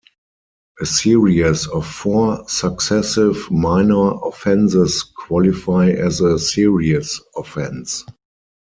A series of four successive minor offenses qualify as a "serious" offense.